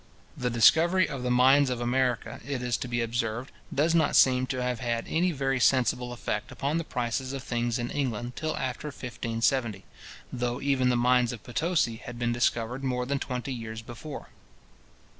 The discovery of the mines of America, it is to be observed, does not seem to have had any very sensible effect upon the prices of things in England till after 1570; though even the mines of Potosi had been discovered more than twenty years before.